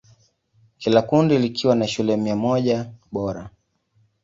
Kila kundi likiwa na shule mia moja bora.